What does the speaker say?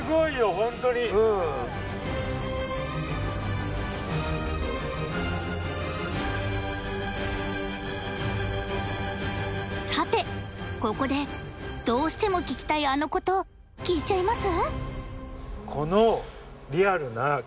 ホントにさてここでどうしても聞きたいあのこと聞いちゃいます？